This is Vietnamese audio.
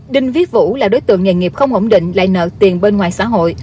đinh viết vũ là đối tượng nghề nghiệp không ổn định lại nợ tiền bên ngoài xã hội